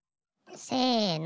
せの。